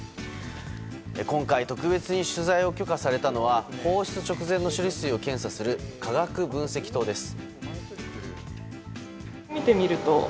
今回特別に取材を許可されたのは放出直前の処理水を検査する化学分析棟です。